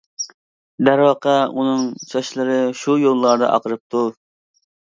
دەرۋەقە ئۇنىڭ چاچلىرى شۇ يوللاردا ئاقىرىپتۇ.